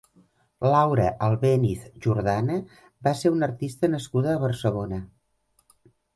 Laura Albéniz Jordana va ser una artista nascuda a Barcelona.